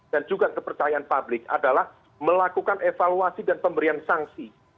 dan juga kepercayaan publik adalah melakukan evaluasi dan pemberian sanksi